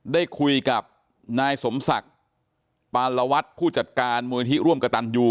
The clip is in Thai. ได้คุยกับนายสมศักดิ์ปานวัฒน์ผู้จัดการมูลนิธิร่วมกระตันยู